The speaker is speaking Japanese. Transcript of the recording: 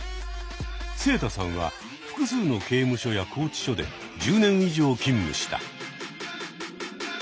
セイタさんは複数の刑務所や拘置所で１０年以上勤務した。